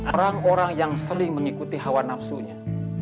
orang orang yang sering mengikuti hawa nafsunya